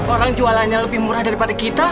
orang jualannya lebih murah daripada kita